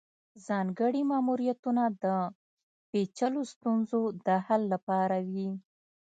ځانګړي ماموریتونه د پیچلو ستونزو د حل لپاره وي